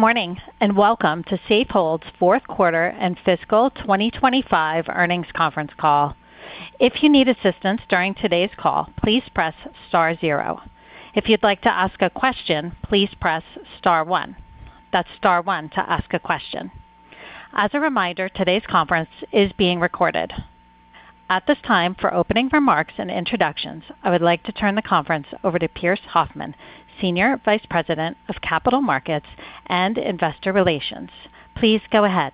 Morning, and welcome to Safehold's fourth quarter and fiscal 2025 earnings conference call. If you need assistance during today's call, please press star zero. If you'd like to ask a question, please press star one. That's star one to ask a question. As a reminder, today's conference is being recorded. At this time, for opening remarks and introductions, I would like to turn the conference over to Pearse Hoffmann, Senior Vice President, Capital Markets & Investor Relations. Please go ahead.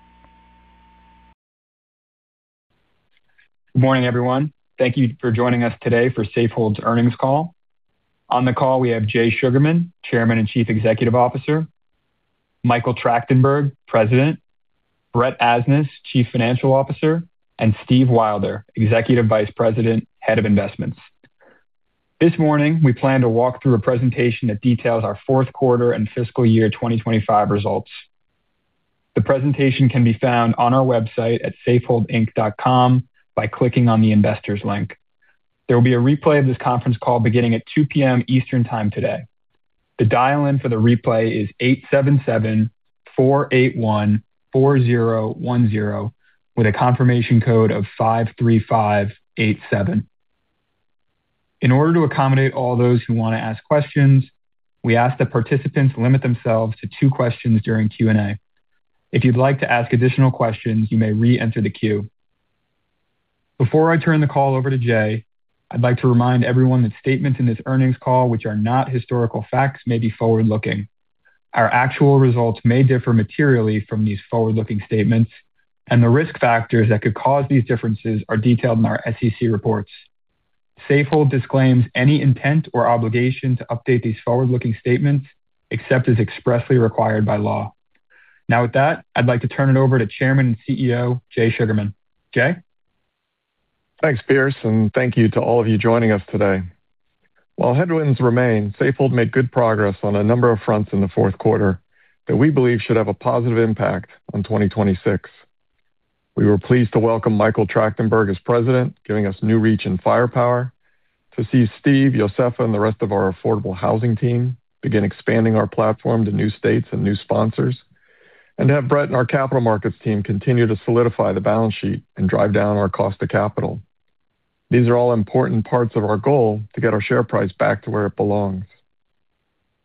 Good morning, everyone. Thank you for joining us today for Safehold's earnings call. On the call, we have Jay Sugarman, Chairman and Chief Executive Officer, Michael Trachtenberg, President, Brett Asnas, Chief Financial Officer, and Steve Wylder, Executive Vice President, Head of Investments. This morning, we plan to walk through a presentation that details our fourth quarter and fiscal year 2025 results. The presentation can be found on our website at safeholdinc.com by clicking on the Investors link. There will be a replay of this conference call beginning at 2 P.M. Eastern Time today. The dial-in for the replay is 877-481-4010, with a confirmation code of 53587. In order to accommodate all those who want to ask questions, we ask that participants limit themselves to two questions during Q&A. If you'd like to ask additional questions, you may reenter the queue. Before I turn the call over to Jay, I'd like to remind everyone that statements in this earnings call which are not historical facts may be forward-looking. Our actual results may differ materially from these forward-looking statements, and the risk factors that could cause these differences are detailed in our SEC reports. Safehold disclaims any intent or obligation to update these forward-looking statements, except as expressly required by law. Now, with that, I'd like to turn it over to Chairman and CEO, Jay Sugarman. Jay? Thanks, Pearse, and thank you to all of you joining us today. While headwinds remain, Safehold made good progress on a number of fronts in the fourth quarter that we believe should have a positive impact on 2026. We were pleased to welcome Michael Trachtenberg as President, giving us new reach and firepower to see Steve, Josefa, and the rest of our affordable housing team begin expanding our platform to new states and new sponsors, and to have Brett and our capital markets team continue to solidify the balance sheet and drive down our cost to capital. These are all important parts of our goal to get our share price back to where it belongs.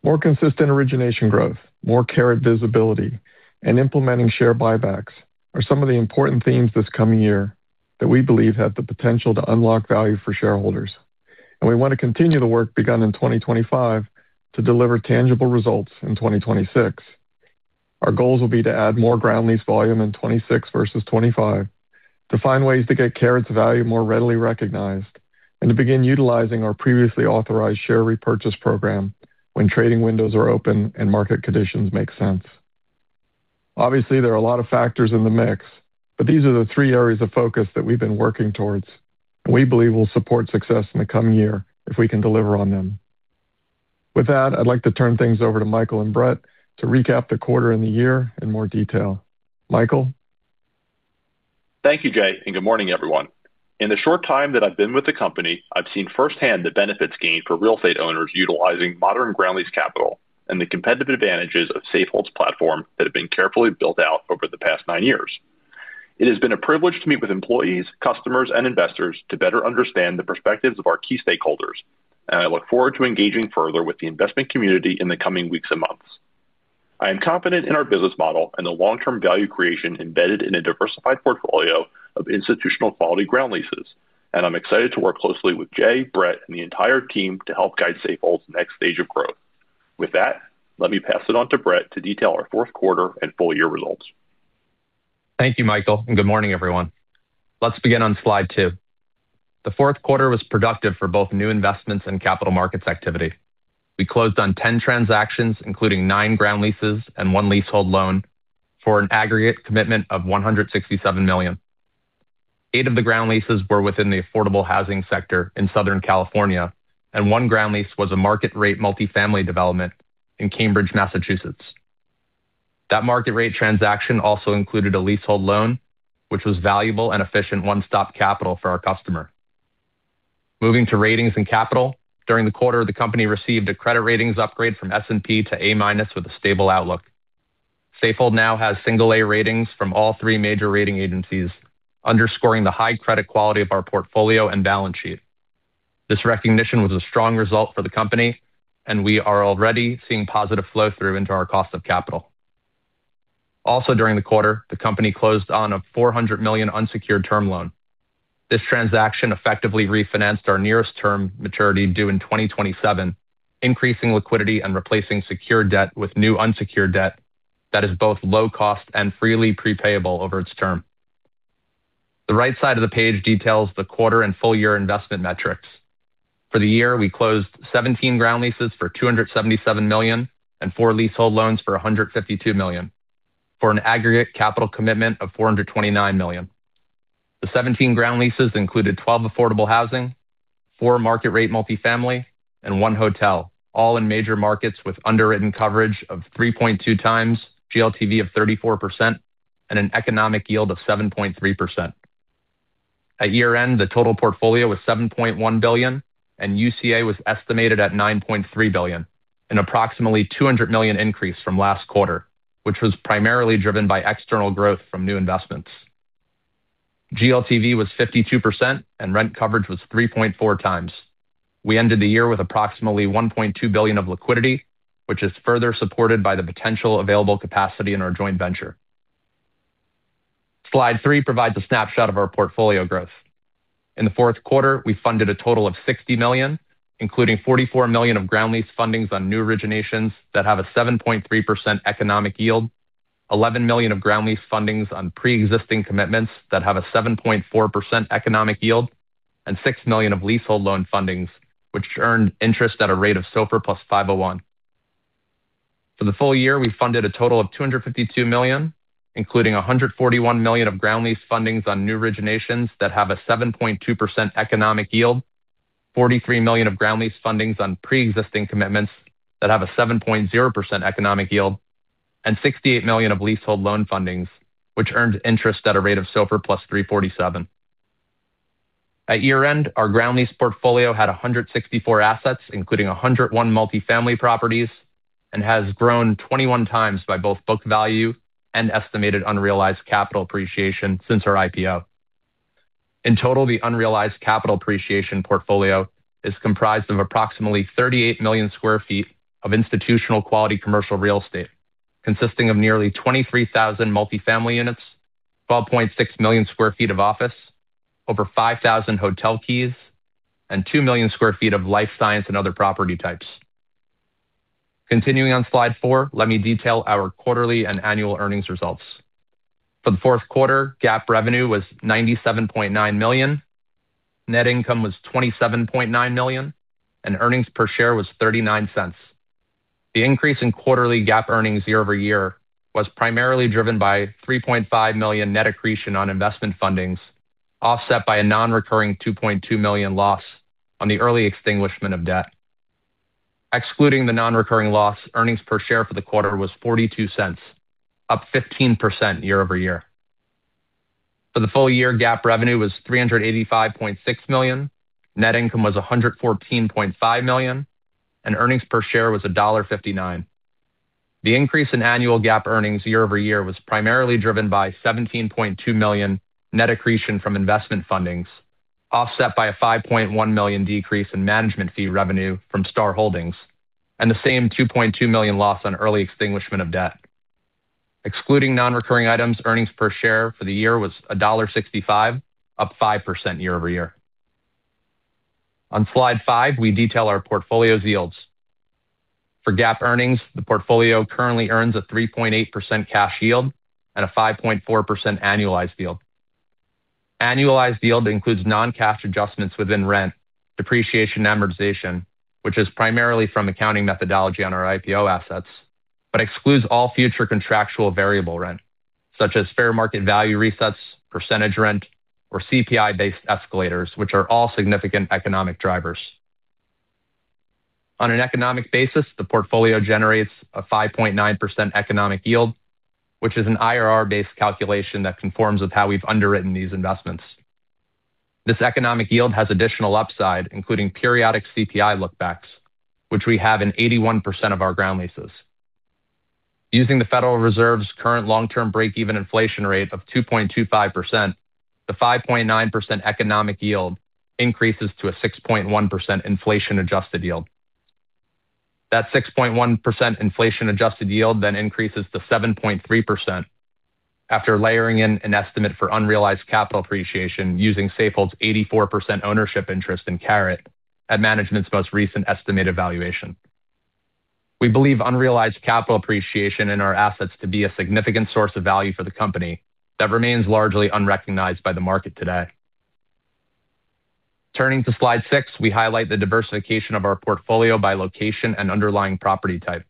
More consistent origination growth, more Caret visibility, and implementing share buybacks are some of the important themes this coming year that we believe have the potential to unlock value for shareholders, and we want to continue the work begun in 2025 to deliver tangible results in 2026. Our goals will be to add more ground lease volume in 2026 versus 2025, to find ways to get Caret's value more readily recognized, and to begin utilizing our previously authorized share repurchase program when trading windows are open and market conditions make sense. Obviously, there are a lot of factors in the mix, but these are the three areas of focus that we've been working towards, and we believe will support success in the coming year if we can deliver on them. With that, I'd like to turn things over to Michael and Brett to recap the quarter and the year in more detail. Michael? Thank you, Jay, and good morning, everyone. In the short time that I've been with the company, I've seen firsthand the benefits gained for real estate owners utilizing modern ground lease capital and the competitive advantages of Safehold's platform that have been carefully built out over the past nine years. It has been a privilege to meet with employees, customers, and investors to better understand the perspectives of our key stakeholders, and I look forward to engaging further with the investment community in the coming weeks and months. I am confident in our business model and the long-term value creation embedded in a diversified portfolio of institutional quality ground leases, and I'm excited to work closely with Jay, Brett, and the entire team to help guide Safehold's next stage of growth. With that, let me pass it on to Brett to detail our fourth quarter and full year results. Thank you, Michael, and good morning, everyone. Let's begin on slide 2. The fourth quarter was productive for both new investments and capital markets activity. We closed on 10 transactions, including 9 ground leases and 1 leasehold loan, for an aggregate commitment of $167 million. Eight of the ground leases were within the affordable housing sector in Southern California, and 1 ground lease was a market-rate multifamily development in Cambridge, Massachusetts. That market-rate transaction also included a leasehold loan, which was valuable and efficient one-stop capital for our customer. Moving to ratings and capital. During the quarter, the company received a credit ratings upgrade from S&P to A- with a stable outlook. Safehold now has single-A ratings from all three major rating agencies, underscoring the high credit quality of our portfolio and balance sheet. This recognition was a strong result for the company, and we are already seeing positive flow through into our cost of capital. Also, during the quarter, the company closed on a $400 million unsecured term loan. This transaction effectively refinanced our nearest term maturity, due in 2027, increasing liquidity and replacing secured debt with new unsecured debt that is both low cost and freely prepayable over its term. The right side of the page details the quarter and full year investment metrics. For the year, we closed 17 ground leases for $277 million and 4 leasehold loans for $152 million, for an aggregate capital commitment of $429 million. The 17 ground leases included twelve affordable housing, four market-rate multifamily, and one hotel, all in major markets with underwritten coverage of 3.2 times GLTV of 34% and an economic yield of 7.3%.... At year-end, the total portfolio was $7.1 billion, and UCA was estimated at $9.3 billion, an approximately $200 million increase from last quarter, which was primarily driven by external growth from new investments. GLTV was 52%, and rent coverage was 3.4 times. We ended the year with approximately $1.2 billion of liquidity, which is further supported by the potential available capacity in our joint venture. Slide 3 provides a snapshot of our portfolio growth. In the fourth quarter, we funded a total of $60 million, including $44 million of ground lease fundings on new originations that have a 7.3% economic yield, $11 million of ground lease fundings on pre-existing commitments that have a 7.4% economic yield, and $6 million of leasehold loan fundings, which earned interest at a rate of SOFR + 501. For the full year, we funded a total of $252 million, including $141 million of ground lease fundings on new originations that have a 7.2% economic yield, $43 million of ground lease fundings on pre-existing commitments that have a 7.0% economic yield, and $68 million of leasehold loan fundings, which earned interest at a rate of SOFR + 347. At year-end, our ground lease portfolio had 164 assets, including 101 multifamily properties, and has grown 21 times by both book value and estimated unrealized capital appreciation since our IPO. In total, the unrealized capital appreciation portfolio is comprised of approximately 38 million sq ft of institutional quality commercial real estate, consisting of nearly 23,000 multifamily units, 12.6 million sq ft of office, over 5,000 hotel keys, and 2 million sq ft of life science and other property types. Continuing on Slide four, let me detail our quarterly and annual earnings results. For the fourth quarter, GAAP revenue was $97.9 million, net income was $27.9 million, and earnings per share was $0.39. The increase in quarterly GAAP earnings year-over-year was primarily driven by $3.5 million net accretion on investment fundings, offset by a nonrecurring $2.2 million loss on the early extinguishment of debt. Excluding the nonrecurring loss, earnings per share for the quarter was $0.42, up 15% year-over-year. For the full year, GAAP revenue was $385.6 million, net income was $114.5 million, and earnings per share was $1.59. The increase in annual GAAP earnings year-over-year was primarily driven by $17.2 million net accretion from investment fundings, offset by a $5.1 million decrease in management fee revenue from Star Holdings and the same $2.2 million loss on early extinguishment of debt. Excluding nonrecurring items, earnings per share for the year was $1.65, up 5% year-over-year. On Slide 5, we detail our portfolio's yields. For GAAP earnings, the portfolio currently earns a 3.8% cash yield and a 5.4% annualized yield. Annualized yield includes non-cash adjustments within rent, depreciation, and amortization, which is primarily from accounting methodology on our IPO assets, but excludes all future contractual variable rent, such as fair market value resets, percentage rent, or CPI-based escalators, which are all significant economic drivers. On an economic basis, the portfolio generates a 5.9% economic yield, which is an IRR-based calculation that conforms with how we've underwritten these investments. This economic yield has additional upside, including periodic CPI look-backs, which we have in 81% of our ground leases. Using the Federal Reserve's current long-term break-even inflation rate of 2.25%, the 5.9% economic yield increases to a 6.1% inflation-adjusted yield. That 6.1% inflation-adjusted yield then increases to 7.3% after layering in an estimate for unrealized capital appreciation using Safehold's 84% ownership interest in Caret at management's most recent estimated valuation. We believe unrealized capital appreciation in our assets to be a significant source of value for the company that remains largely unrecognized by the market today. Turning to Slide 6, we highlight the diversification of our portfolio by location and underlying property type.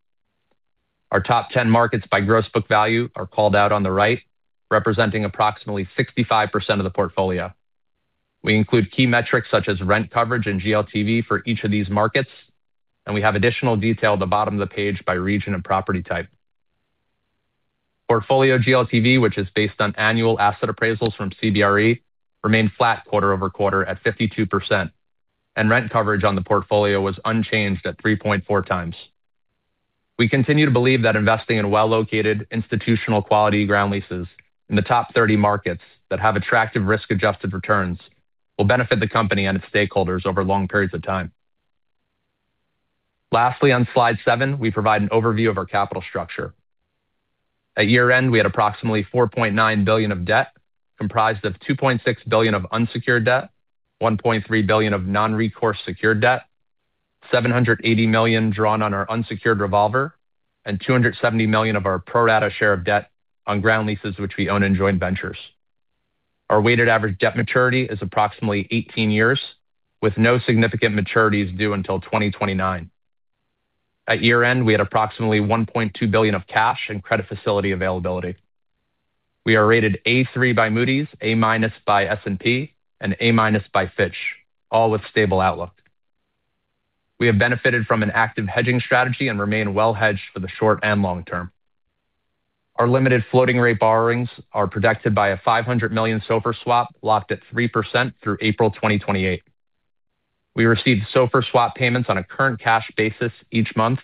Our top 10 markets by gross book value are called out on the right, representing approximately 65% of the portfolio. We include key metrics such as rent coverage and GLTV for each of these markets, and we have additional detail at the bottom of the page by region and property type. Portfolio GLTV, which is based on annual asset appraisals from CBRE, remained flat quarter over quarter at 52%, and rent coverage on the portfolio was unchanged at 3.4 times. We continue to believe that investing in well-located, institutional-quality ground leases in the top 30 markets that have attractive risk-adjusted returns will benefit the company and its stakeholders over long periods of time. Lastly, on Slide 7, we provide an overview of our capital structure. At year-end, we had approximately $4.9 billion of debt, comprised of $2.6 billion of unsecured debt, $1.3 billion of non-recourse secured debt, $780 million drawn on our unsecured revolver, and $270 million of our pro rata share of debt on ground leases, which we own in joint ventures. Our weighted average debt maturity is approximately 18 years, with no significant maturities due until 2029. At year-end, we had approximately $1.2 billion of cash and credit facility availability. We are rated A3 by Moody's, A- by S&P, and A- by Fitch, all with stable outlook. We have benefited from an active hedging strategy and remain well hedged for the short and long term. Our limited floating rate borrowings are protected by a $500 million SOFR swap, locked at 3% through April 2028. We received SOFR swap payments on a current cash basis each month.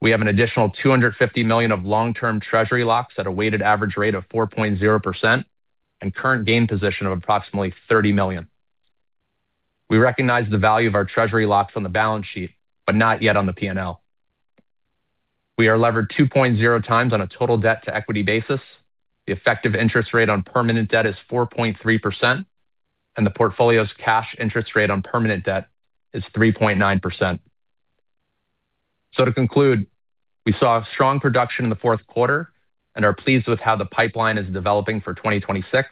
We have an additional $250 million of long-term treasury locks at a weighted average rate of 4.0% and current gain position of approximately $30 million. We recognize the value of our treasury locks on the balance sheet, but not yet on the P&L. We are levered 2.0x on a total debt-to-equity basis. The effective interest rate on permanent debt is 4.3%, and the portfolio's cash interest rate on permanent debt is 3.9%. To conclude, we saw a strong production in the fourth quarter and are pleased with how the pipeline is developing for 2026,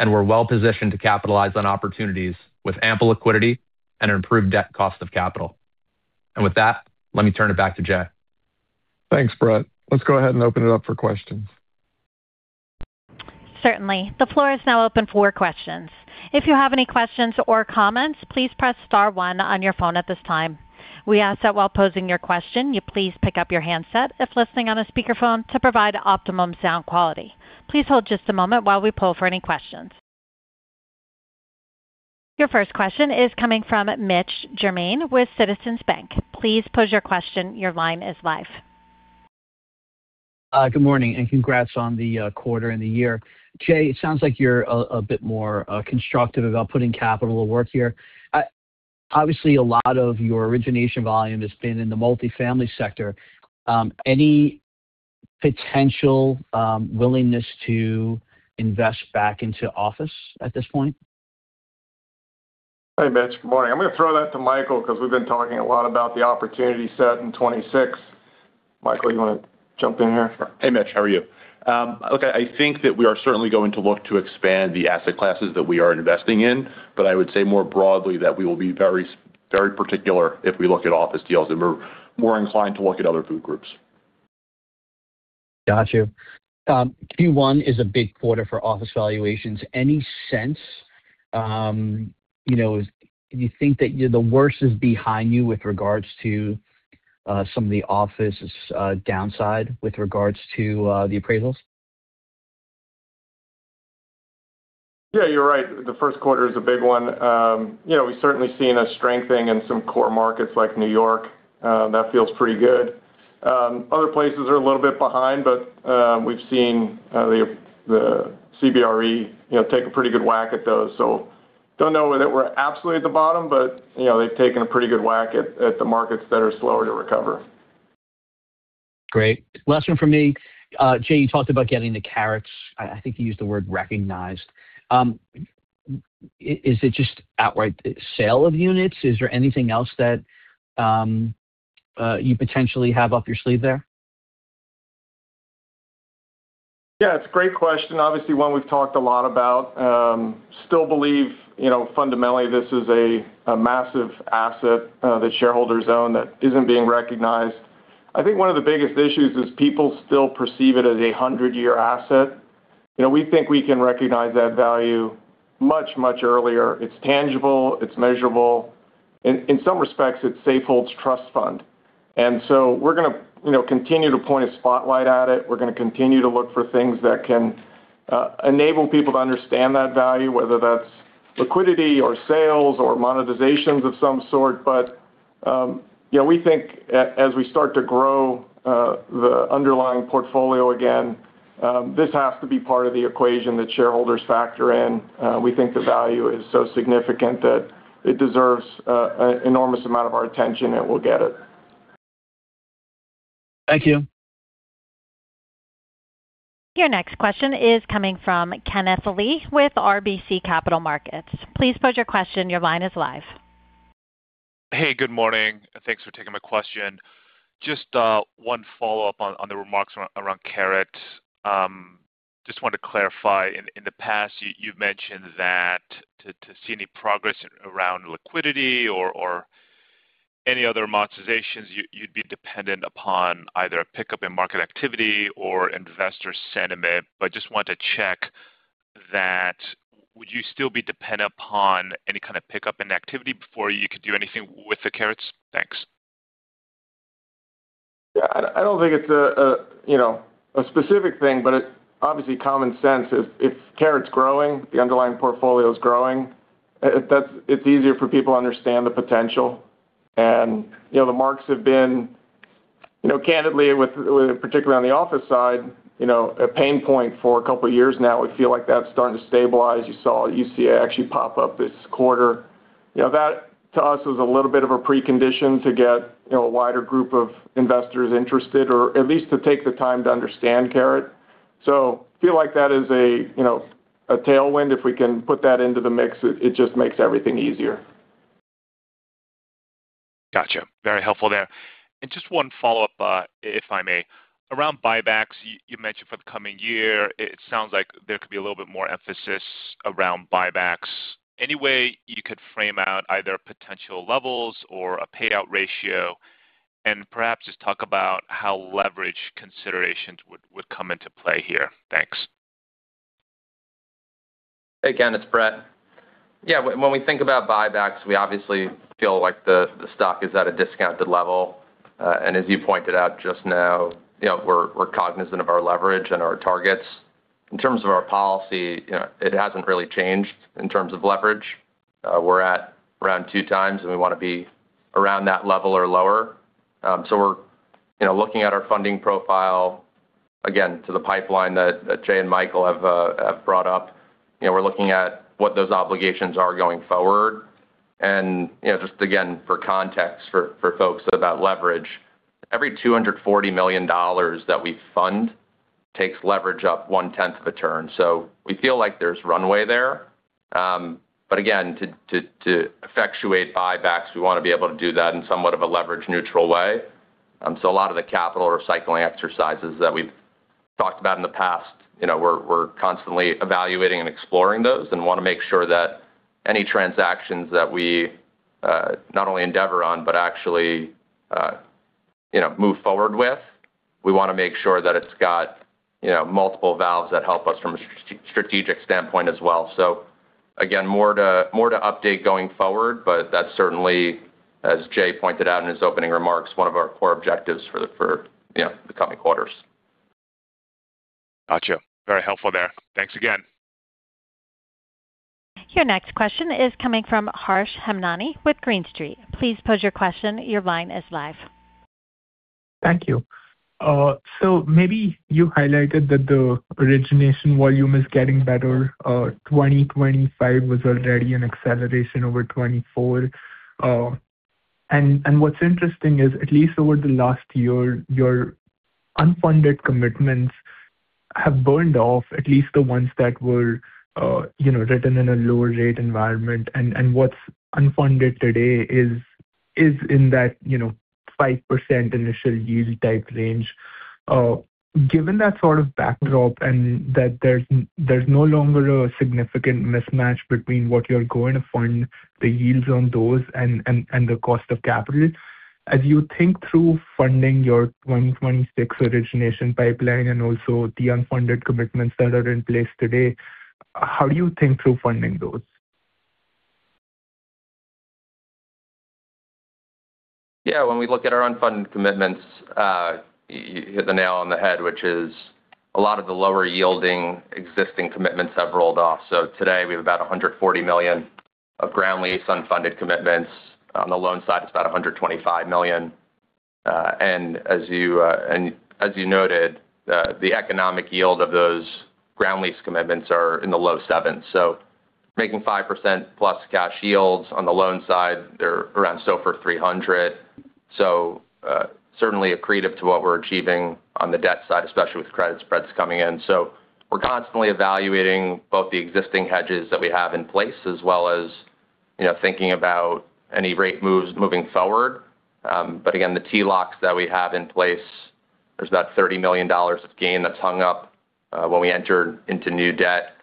and we're well positioned to capitalize on opportunities with ample liquidity and an improved debt cost of capital. With that, let me turn it back to Jay. Thanks, Brett. Let's go ahead and open it up for questions. Certainly. The floor is now open for questions. If you have any questions or comments, please press star one on your phone at this time. We ask that while posing your question, you please pick up your handset if listening on a speakerphone to provide optimum sound quality. Please hold just a moment while we pull for any questions. Your first question is coming from Mitch Germain with Citizens Bank. Please pose your question. Your line is live. Good morning, and congrats on the quarter and the year. Jay, it sounds like you're a bit more constructive about putting capital to work here. Obviously, a lot of your origination volume has been in the multifamily sector. Any potential willingness to invest back into office at this point? Hey, Mitch. Good morning. I'm going to throw that to Michael because we've been talking a lot about the opportunity set in 2026. Michael, you want to jump in here? Hey, Mitch, how are you? Look, I think that we are certainly going to look to expand the asset classes that we are investing in, but I would say more broadly, that we will be very, very particular if we look at office deals, and we're more inclined to look at other food groups. Got you. Q1 is a big quarter for office valuations. Any sense, you know, do you think that the worst is behind you with regards to some of the office's downside with regards to the appraisals? Yeah, you're right. The first quarter is a big one. You know, we've certainly seen a strengthening in some core markets like New York. That feels pretty good. Other places are a little bit behind, but we've seen the CBRE, you know, take a pretty good whack at those. So don't know whether we're absolutely at the bottom, but you know, they've taken a pretty good whack at the markets that are slower to recover. Great. Last one from me. Jay, you talked about getting the Caret. I think you used the word recognized. Is it just outright sale of units? Is there anything else that you potentially have up your sleeve there? Yeah, it's a great question. Obviously, one we've talked a lot about. Still believe, you know, fundamentally, this is a massive asset that shareholders own that isn't being recognized. I think one of the biggest issues is people still perceive it as a hundred-year asset. You know, we think we can recognize that value much, much earlier. It's tangible, it's measurable. In some respects, it's Safehold's trust fund. And so we're gonna, you know, continue to point a spotlight at it. We're gonna continue to look for things that can enable people to understand that value, whether that's liquidity or sales or monetizations of some sort. But, you know, we think as we start to grow the underlying portfolio again, this has to be part of the equation that shareholders factor in. We think the value is so significant that it deserves an enormous amount of our attention, and it will get it. Thank you. Your next question is coming from Kenneth Lee with RBC Capital Markets. Please pose your question. Your line is live. Hey, good morning, and thanks for taking my question. Just one follow-up on the remarks around Caret. Just wanted to clarify, in the past, you've mentioned that to see any progress around liquidity or any other monetizations, you'd be dependent upon either a pickup in market activity or investor sentiment. But just wanted to check that, would you still be dependent upon any kind of pickup in activity before you could do anything with the Caret? Thanks. Yeah, I don't think it's a, you know, a specific thing, but it's obviously common sense. If Caret's growing, the underlying portfolio is growing, that's—it's easier for people to understand the potential. And, you know, the marks have been, you know, candidly, with particularly on the office side, you know, a pain point for a couple of years now. We feel like that's starting to stabilize. You saw UCA actually pop up this quarter. You know, that, to us, is a little bit of a precondition to get, you know, a wider group of investors interested or at least to take the time to understand Caret. So I feel like that is a, you know, a tailwind. If we can put that into the mix, it just makes everything easier. Gotcha. Very helpful there. And just one follow-up, if I may. Around buybacks, you mentioned for the coming year, it sounds like there could be a little bit more emphasis around buybacks. Any way you could frame out either potential levels or a payout ratio, and perhaps just talk about how leverage considerations would come into play here. Thanks.... Hey, Ken, it's Brett. Yeah, when we think about buybacks, we obviously feel like the stock is at a discounted level. And as you pointed out just now, you know, we're cognizant of our leverage and our targets. In terms of our policy, you know, it hasn't really changed in terms of leverage. We're at around 2x, and we wanna be around that level or lower. So we're, you know, looking at our funding profile, again, to the pipeline that Jay and Michael have brought up. You know, we're looking at what those obligations are going forward. And, you know, just again, for context, for folks about leverage, every $240 million that we fund takes leverage up one-tenth of a turn. So we feel like there's runway there. But again, to effectuate buybacks, we wanna be able to do that in somewhat of a leverage-neutral way. So a lot of the capital recycling exercises that we've talked about in the past, you know, we're constantly evaluating and exploring those and wanna make sure that any transactions that we not only endeavor on, but actually, you know, move forward with, we wanna make sure that it's got, you know, multiple valves that help us from a strategic standpoint as well. So again, more to update going forward, but that's certainly, as Jay pointed out in his opening remarks, one of our core objectives for the, for, you know, the coming quarters. Got you. Very helpful there. Thanks again. Your next question is coming from Harsh Hemnani with Green Street. Please pose your question. Your line is live. Thank you. So maybe you highlighted that the origination volume is getting better. 2025 was already an acceleration over 2024. And what's interesting is, at least over the last year, your unfunded commitments have burned off, at least the ones that were, you know, written in a lower rate environment. And what's unfunded today is in that, you know, 5% initial yield type range. Given that sort of backdrop and that there's no longer a significant mismatch between what you're going to fund, the yields on those, and the cost of capital, as you think through funding your $126 origination pipeline and also the unfunded commitments that are in place today, how do you think through funding those? Yeah, when we look at our unfunded commitments, you hit the nail on the head, which is a lot of the lower-yielding existing commitments have rolled off. So today we have about $140 million of ground lease unfunded commitments. On the loan side, it's about $125 million. And as you noted, the economic yield of those ground lease commitments are in the low 7s. So making 5%+ cash yields on the loan side, they're around $400. So certainly accretive to what we're achieving on the debt side, especially with credit spreads coming in. So we're constantly evaluating both the existing hedges that we have in place, as well as, you know, thinking about any rate moves moving forward. But again, the T-locks that we have in place, there's about $30 million of gain that's hung up when we entered into new debt.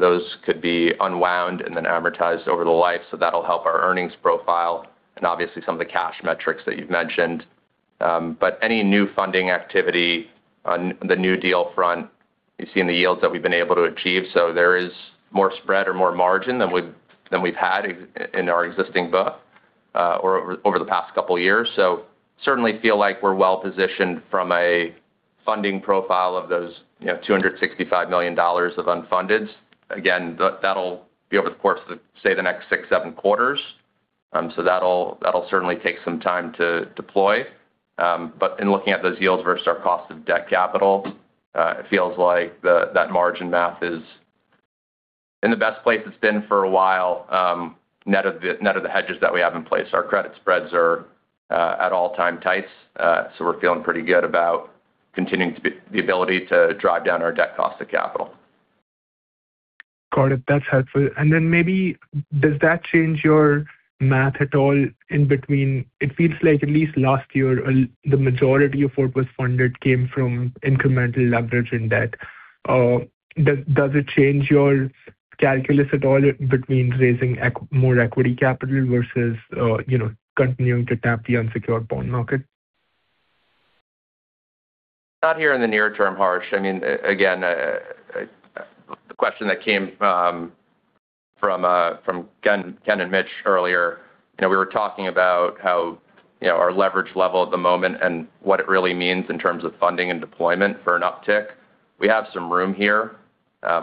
Those could be unwound and then amortized over the life, so that'll help our earnings profile and obviously some of the cash metrics that you've mentioned. But any new funding activity on the new deal front, you've seen the yields that we've been able to achieve. So there is more spread or more margin than we've had in our existing book or over the past couple of years. So certainly feel like we're well-positioned from a funding profile of those, you know, $265 million of unfundeds. Again, that, that'll be over the course of, say, the next 6-7 quarters. So that'll certainly take some time to deploy. But in looking at those yields versus our cost of debt capital, it feels like that margin math is in the best place it's been for a while, net of the hedges that we have in place. Our credit spreads are at all-time tights. So we're feeling pretty good about the ability to drive down our debt cost of capital. Got it. That's helpful. And then maybe does that change your math at all in between? It feels like at least last year, the majority of what was funded came from incremental leverage and debt. Does it change your calculus at all between raising more equity capital versus, you know, continuing to tap the unsecured bond market? Not here in the near term, Harsh. I mean, again, the question that came from Ken and Mitch earlier, you know, we were talking about how our leverage level at the moment and what it really means in terms of funding and deployment for an uptick. We have some room here.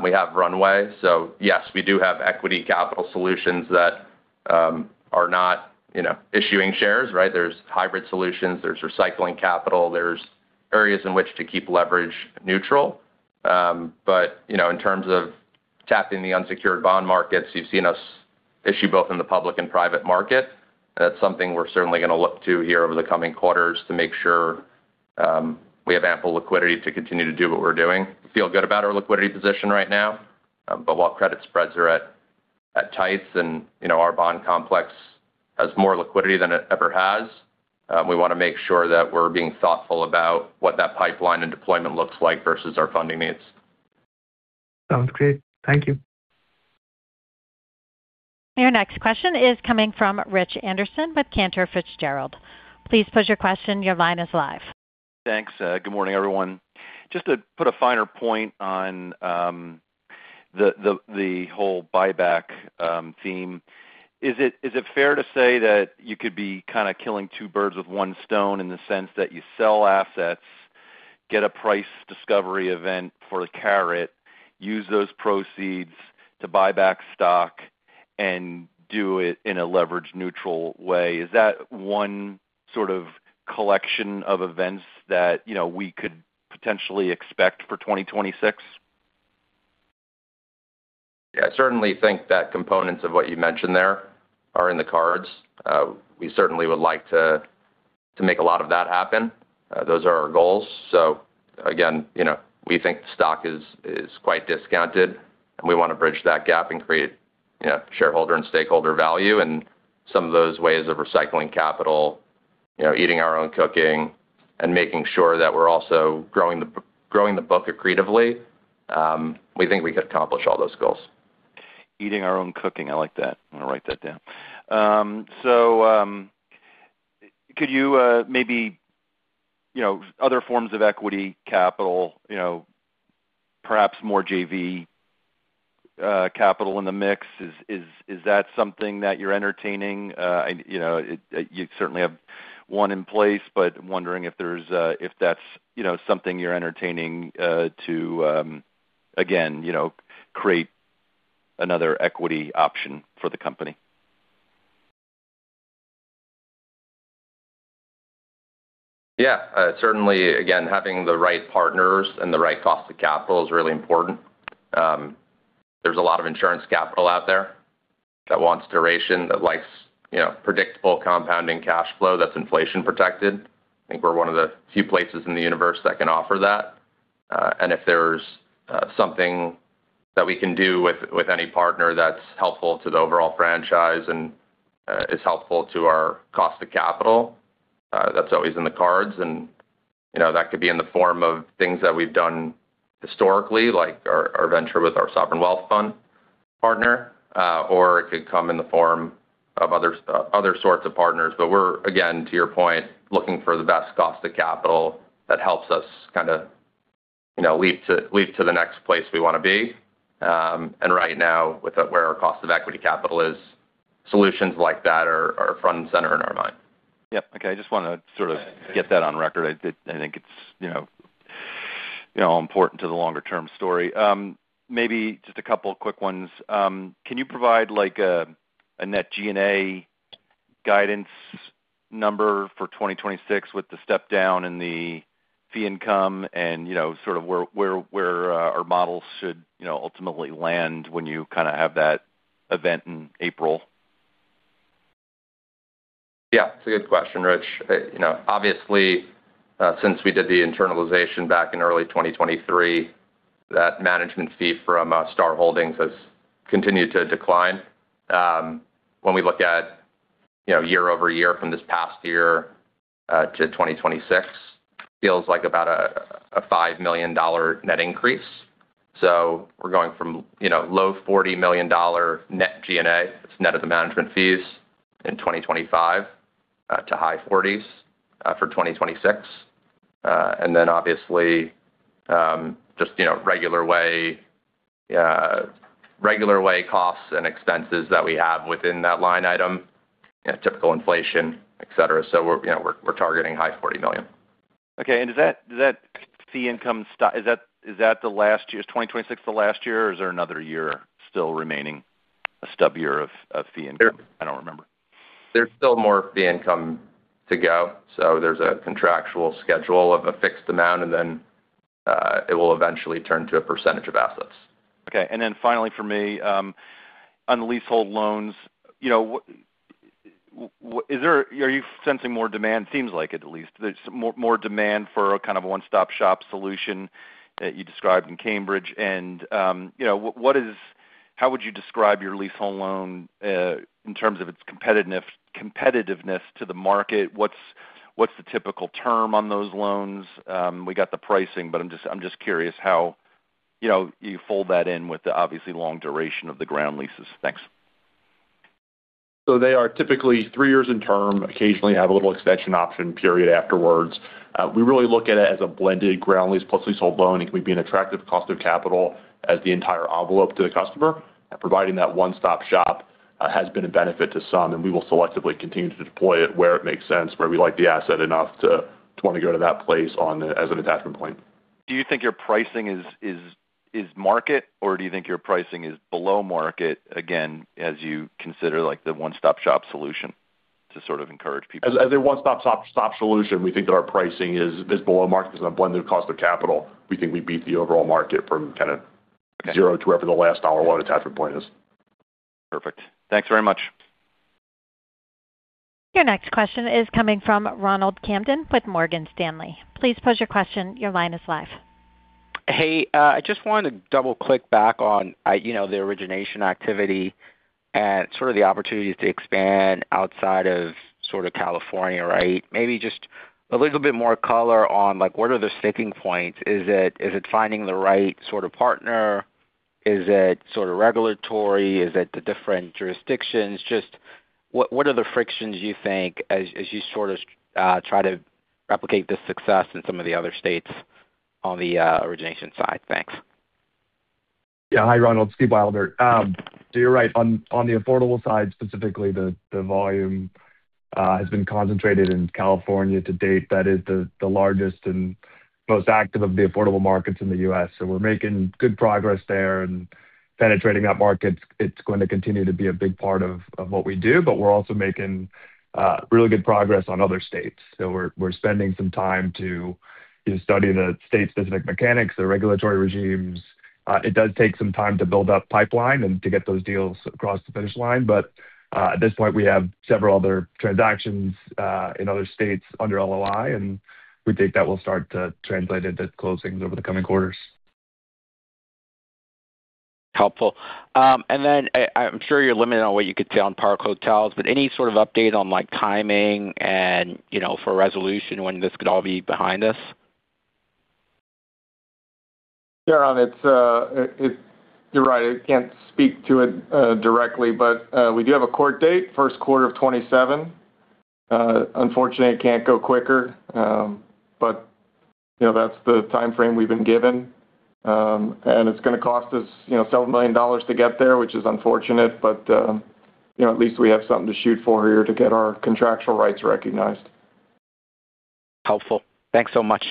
We have runway. So yes, we do have equity capital solutions that are not issuing shares, right? There's hybrid solutions, there's recycling capital, there's areas in which to keep leverage neutral. But, you know, in terms of tapping the unsecured bond markets, you've seen us issue both in the public and private market, and that's something we're certainly gonna look to here over the coming quarters to make sure we have ample liquidity to continue to do what we're doing. Feel good about our liquidity position right now, but while credit spreads are at tights and, you know, our bond complex has more liquidity than it ever has, we wanna make sure that we're being thoughtful about what that pipeline and deployment looks like versus our funding needs. Sounds great. Thank you.... Your next question is coming from Rich Anderson with Wedbush Securities. Please pose your question. Your line is live. Thanks. Good morning, everyone. Just to put a finer point on the whole buyback theme, is it fair to say that you could be kind of killing two birds with one stone in the sense that you sell assets, get a price discovery event for the Caret, use those proceeds to buy back stock and do it in a leverage-neutral way? Is that one sort of collection of events that, you know, we could potentially expect for 2026? Yeah, I certainly think that components of what you mentioned there are in the cards. We certainly would like to make a lot of that happen. Those are our goals. So again, you know, we think the stock is quite discounted, and we want to bridge that gap and create, you know, shareholder and stakeholder value and some of those ways of recycling capital, you know, eating our own cooking and making sure that we're also growing the book accretively. We think we could accomplish all those goals. Eating our own cooking. I like that. I'm going to write that down. So, could you maybe, you know, other forms of equity capital, you know, perhaps more JV capital in the mix, is that something that you're entertaining? And, you know, you certainly have one in place, but wondering if there's if that's, you know, something you're entertaining to again, you know, create another equity option for the company. Yeah. Certainly, again, having the right partners and the right cost of capital is really important. There's a lot of insurance capital out there that wants duration, that likes, you know, predictable compounding cash flow that's inflation protected. I think we're one of the few places in the universe that can offer that. And if there's something that we can do with any partner that's helpful to the overall franchise and is helpful to our cost of capital, that's always in the cards. And, you know, that could be in the form of things that we've done historically, like our venture with our sovereign wealth fund partner, or it could come in the form of other sorts of partners. But we're, again, to your point, looking for the best cost of capital that helps us kind of, you know, leap to, leap to the next place we want to be. And right now, with where our cost of equity capital is, solutions like that are, are front and center in our mind. Yep. Okay. I just want to sort of get that on record. I think it's, you know, you know, important to the longer-term story. Maybe just a couple of quick ones. Can you provide, like, a net G&A guidance number for 2026 with the step down in the fee income and, you know, sort of where, where, where, our models should, you know, ultimately land when you kind of have that event in April? Yeah, it's a good question, Rich. You know, obviously, since we did the internalization back in early 2023, that management fee from Star Holdings has continued to decline. When we look at, you know, year-over-year from this past year to 2026, feels like about a $5 million net increase. So we're going from, you know, low $40 million net G&A, it's net of the management fees, in 2025 to high $40s million for 2026. And then obviously, just, you know, regular way costs and expenses that we have within that line item, you know, typical inflation, et cetera. So we're, you know, we're targeting high $40 million. Okay. And does that, does that fee income is that, is that the last year... Is 2026 the last year, or is there another year still remaining, a stub year of, of fee income? I don't remember. There's still more fee income to go, so there's a contractual schedule of a fixed amount, and then, it will eventually turn to a percentage of assets. Okay. And then finally, for me, on the leasehold loans, you know, are you sensing more demand? Seems like it, at least. There's more demand for a kind of a one-stop shop solution that you described in Cambridge. And, you know, how would you describe your leasehold loan in terms of its competitiveness to the market? What's the typical term on those loans? We got the pricing, but I'm just curious how, you know, you fold that in with the obviously long duration of the ground leases. Thanks. So they are typically three years in term, occasionally have a little extension option period afterwards. We really look at it as a blended ground lease plus leasehold loan. It can be an attractive cost of capital as the entire envelope to the customer, and providing that one-stop shop has been a benefit to some, and we will selectively continue to deploy it where it makes sense, where we like the asset enough to want to go to that place on as an attachment point. Do you think your pricing is market, or do you think your pricing is below market, again, as you consider, like, the one-stop shop solution to sort of encourage people? As a one-stop shop solution, we think that our pricing is below market because on a blended cost of capital, we think we beat the overall market from kind of zero to wherever the last dollar loan attachment point is. Perfect. Thanks very much. Your next question is coming from Ronald Kamdem with Morgan Stanley. Please pose your question. Your line is live. Hey, I just wanted to double-click back on, you know, the origination activity and sort of the opportunities to expand outside of sort of California, right? Maybe just a little bit more color on, like, what are the sticking points. Is it, is it finding the right sort of partner? Is it sort of regulatory? Is it the different jurisdictions? Just what, what are the frictions you think as, as you sort of, try to replicate this success in some of the other states on the, origination side? Thanks. Yeah. Hi, Ronald. Steve Wylder. So you're right. On the affordable side, specifically, the volume has been concentrated in California to date. That is the largest and most active of the affordable markets in the U.S. So we're making good progress there and penetrating that market. It's going to continue to be a big part of what we do, but we're also making really good progress on other states. So we're spending some time to study the state-specific mechanics, the regulatory regimes. It does take some time to build up pipeline and to get those deals across the finish line, but at this point, we have several other transactions in other states under LOI, and we think that will start to translate into closings over the coming quarters. Helpful. And then I'm sure you're limited on what you could say on Park Hotels, but any sort of update on, like, timing and, you know, for a resolution, when this could all be behind us? Yeah, Ron, it's you're right. I can't speak to it directly, but we do have a court date, first quarter of 2027. Unfortunately, it can't go quicker, but you know, that's the timeframe we've been given. And it's gonna cost us, you know, $several million to get there, which is unfortunate, but you know, at least we have something to shoot for here to get our contractual rights recognized. Helpful. Thanks so much.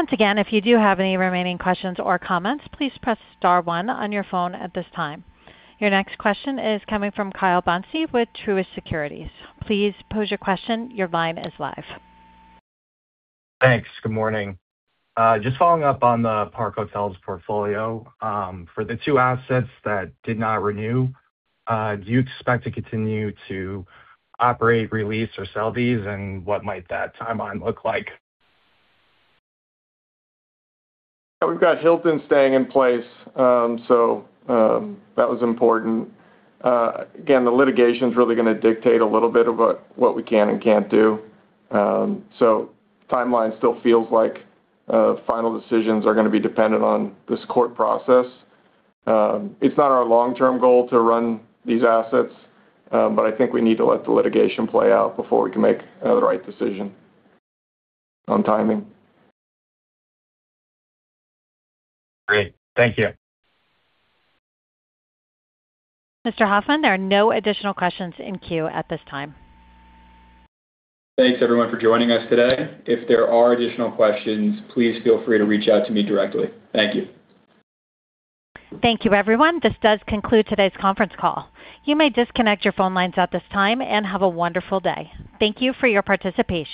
Once again, if you do have any remaining questions or comments, please press star one on your phone at this time. Your next question is coming from Ki Bin Kim with Truist Securities. Please pose your question. Your line is live. Thanks. Good morning. Just following up on the Park Hotels portfolio. For the two assets that did not renew, do you expect to continue to operate, re-lease, or sell these, and what might that timeline look like? We've got Hilton staying in place, so that was important. Again, the litigation's really gonna dictate a little bit of what we can and can't do. So timeline still feels like final decisions are gonna be dependent on this court process. It's not our long-term goal to run these assets, but I think we need to let the litigation play out before we can make the right decision on timing. Great. Thank you. Mr. Hoffmann, there are no additional questions in queue at this time. Thanks, everyone, for joining us today. If there are additional questions, please feel free to reach out to me directly. Thank you. Thank you, everyone. This does conclude today's conference call. You may disconnect your phone lines at this time, and have a wonderful day. Thank you for your participation.